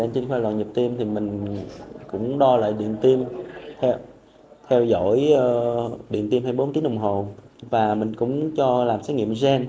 trên khoa nhịp tim thì mình cũng đo lại điện tim theo dõi điện tim hai mươi bốn tiếng đồng hồ và mình cũng cho làm xét nghiệm gen